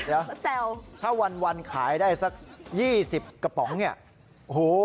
ด้วยลูกว่าแสวถ้าวันวันขายได้สักยี่สิบกระป๋องเนี้ยโอ้โห